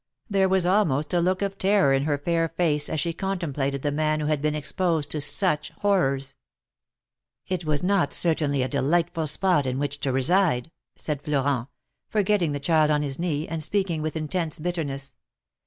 There was almost a look of terror in her fair face as she contemplated the man who had been exposed to such horrors. "It was not certainly a delightful spot in which to THE MARKETS OF PARIS. 115 reside/' said Florent, forgetting the child on his knee, and speaking with intense bitterness.